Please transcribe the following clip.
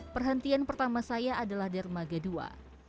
perhentian pertama saya adalah dermaga ii